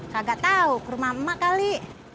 kagak tahu ke rumah emak emak kali